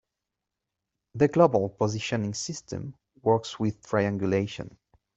The global positioning system works with triangulation.